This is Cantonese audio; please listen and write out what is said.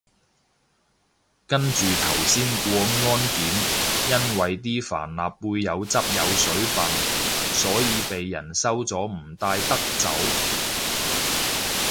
跟住頭先過安檢，因為啲帆立貝有汁有水份，所以被人收咗唔帶得走